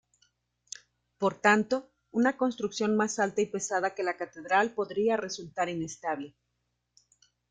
Por tanto, una construcción más alta y pesada que la Catedral podría resultar inestable.